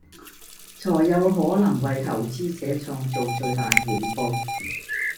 才有可能為投資者創造最大回報